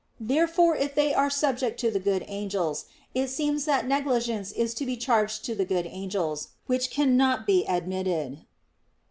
Therefore if they are subject to the good angels, it seems that negligence is to be charged to the good angels; which cannot be admitted.